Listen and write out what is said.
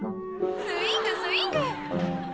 スイングスイング！